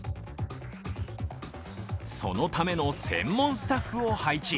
そのための専門スタッフを配置。